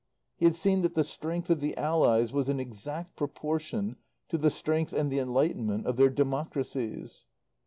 He had seen that the strength of the Allies was in exact proportion to the strength and the enlightenment of their democracies.